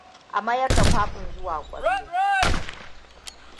A mayar da kwaɓin zuwa ƙwallo.